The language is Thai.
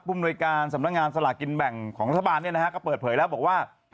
ภูมิโนยาการสำนักงานสลากินแบ่งของรัฐบาลก็เปิดเผยแล้วบอกว่า